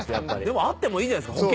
でもあってもいいじゃないっすか